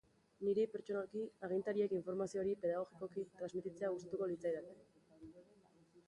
Niri, pertsonalki, agintariek informazio hori pedagogikoki transmititzea gustatuko litzaidake.